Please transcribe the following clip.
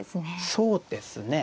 そうですね。